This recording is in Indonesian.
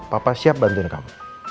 papa siap bantuin kamu